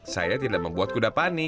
saya tidak membuat kuda panik